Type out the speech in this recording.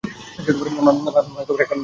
মা, একটা বার্গার কিনে দাও না?